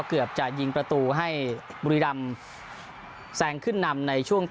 เกือบจะยิงประตูให้บุรีรำแซงขึ้นนำในช่วง